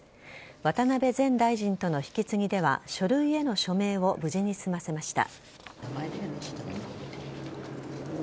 渡辺前大臣との引き継ぎでは書類への署名を無事に済ませました。